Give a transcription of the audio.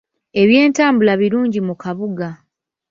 Ebyentambula birungi mu kabuga.